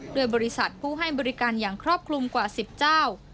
โดยบริษัทผู้ให้บริการอย่างครอบคลุมกว่า๑๐เจ้า